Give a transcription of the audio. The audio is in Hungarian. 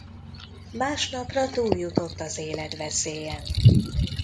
Másnapra túljutott az életveszélyen.